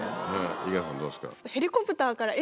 井桁さんどうですか？